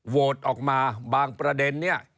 โหวตออกมาบางประเด็นเนี่ย